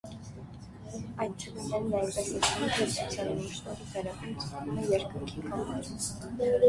Այցելուներին այնպես է թվում, թե ցուցանմուշների վերևում ձգվում է երկնքի կամարը։